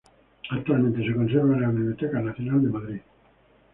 Actualmente se conserva en la Biblioteca Nacional en Madrid.